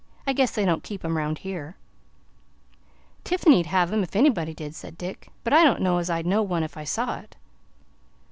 I guess they don't keep 'em 'round here." "Tiffany 'd have 'em if anybody did," said Dick, "but I don't know as I'd know one if I saw it."